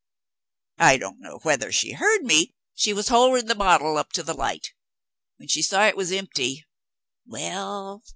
I don't know whether she heard me; she was holding the bottle up to the light. When she saw it was empty well!